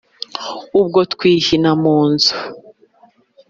Ubwo twihina mu nzu